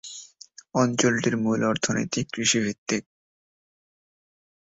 অঞ্চলটির মূল অর্থনীতি কৃষিভিত্তিক।